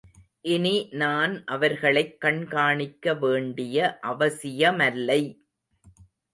இனி நான் அவர்களைக் கண்காணிக்க வேண்டிய அவசியமல்லை.